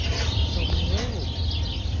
ส่งเร็ว